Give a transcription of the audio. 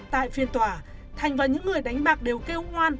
tại phiên tòa thanh và những người đánh bạc đều kêu oan